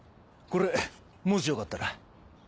これもしよかったら。